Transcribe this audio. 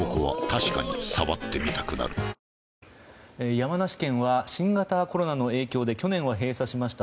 山梨県は新型コロナの影響で去年は閉鎖しました